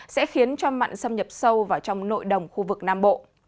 sẽ khiến cho mặn xâm nhập sâu vào trong nội đồng khu vực nam bộ